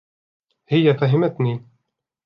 هي فهمتني.